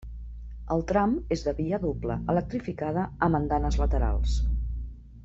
El tram és de via doble electrificada amb andanes laterals.